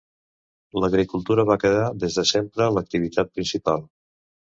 L'agricultura va quedar des de sempre l'activitat principal.